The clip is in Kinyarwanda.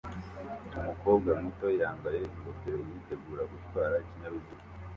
Umukobwa muto yambaye ingofero yitegura gutwara ikinyabiziga